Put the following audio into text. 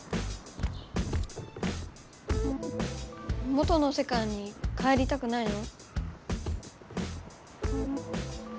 元のせかいに帰りたくないの？